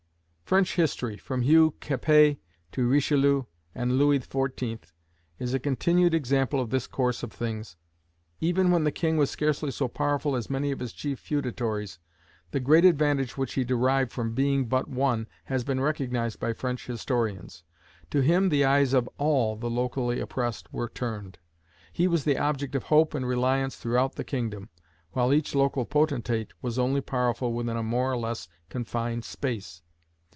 French history, from Hugh Capet to Richelieu and Louis XIV., is a continued example of this course of things. Even when the king was scarcely so powerful as many of his chief feudatories, the great advantage which he derived from being but one has been recognized by French historians. To him the eyes of all the locally oppressed were turned; he was the object of hope and reliance throughout the kingdom, while each local potentate was only powerful within a more or less confined space.